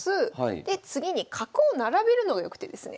で次に角を並べるのが良くてですね。